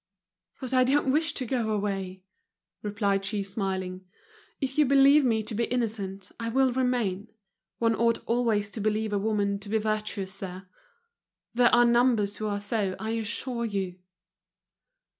"But I don't wish to go away," replied she, smiling. "If you believe me to be innocent, I will remain. One ought always to believe a woman to be virtuous, sir. There are numbers who are so, I assure you."